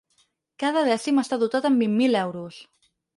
Cada dècim està dotat amb vint mil euros.